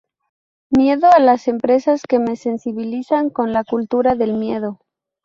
miedo a las empresas que me sensibilizan con la cultura del miedo